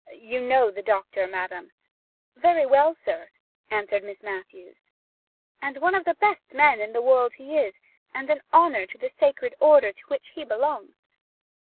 You know the doctor, madam " "Very well, sir," answered Miss Matthews, "and one of the best men in the world he is, and an honour to the sacred order to which he belongs."